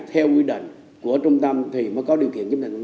theo quy định của trung tâm thì mới có điều kiện